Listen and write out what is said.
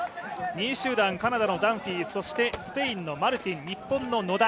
２位集団カナダのダンフィーそしてスペインのマルティン、日本の野田。